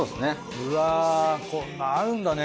うわぁこんなのあるんだね。